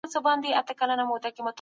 اسلام د اقتصاد سمه لار ښيي.